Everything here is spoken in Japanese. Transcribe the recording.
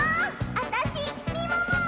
あたしみもも！